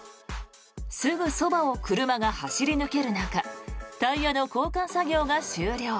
すぐそばを車が走り抜ける中タイヤの交換作業が終了。